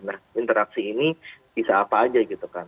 nah interaksi ini bisa apa aja gitu kan